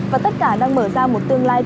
và tất cả đang mở ra một tương lai tươi đẹp